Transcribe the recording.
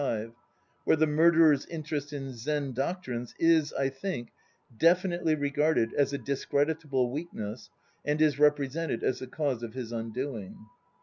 165), where the murderer's interest in Zen doc trines is, I think, definitely regarded as a discreditable weakness and is represented as the cause of his undoing.